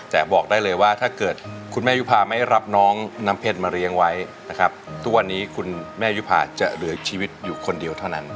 แต่บอกได้เลยว่าถ้าเกิดคุณแม่ยุภาไม่รับน้องน้ำเพชรมาเลี้ยงไว้นะครับทุกวันนี้คุณแม่ยุภาจะเหลือชีวิตอยู่คนเดียวเท่านั้น